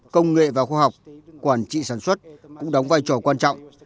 công nghệ và khoa học quản trị sản xuất cũng đóng vai trò quan trọng